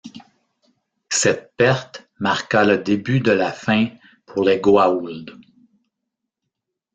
Cette perte marqua le début de la fin pour les Goa'ulds.